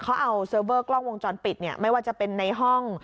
เขาเอาเซิร์ฟเวอร์กล้องวงจรปิดเนี่ยไม่ว่าจะเป็นในห้อง